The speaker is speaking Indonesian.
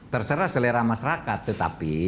terserah selera masyarakat tetapi